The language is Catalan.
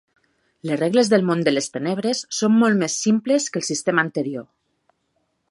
Les regles del Món de les Tenebres són molt més simples que el sistema anterior.